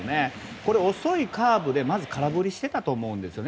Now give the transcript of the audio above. これ、遅いカーブでまず空振りしてたと思うんですね